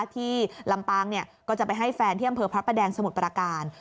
ที่ลำปางเนี่ยก็จะไปให้แฟนเที่ยงเผลอพระแดงสมุดประการ